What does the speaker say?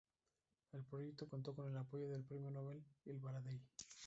El proyecto contó con el apoyo del premio nobel El-Baradei.